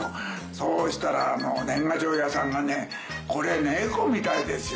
そうしたら年賀状屋さんがね「これネコみたいですよ